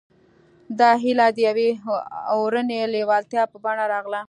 دا هيله د يوې اورنۍ لېوالتيا په بڼه راغله.